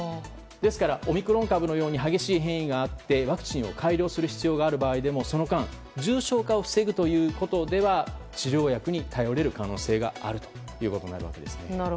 ですからオミクロン株のように激しい変異があってワクチンを改良する必要がある場合でもその間、重症化を防ぐということでは治療薬に頼れる可能性があるということです。